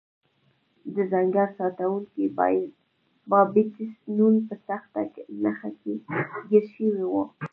د ځنګل ساتونکی بابټیست نون په سخته نښته کې ګیر شوی و.